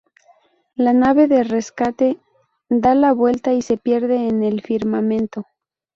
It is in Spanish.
La nave de rescate da la vuelta y se pierde en el firmamento.